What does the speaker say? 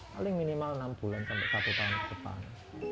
paling minimal enam bulan sampai satu tahun ke depan